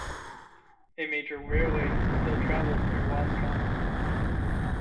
A major railway still travels through Waskom.